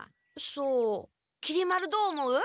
そうきり丸どう思う？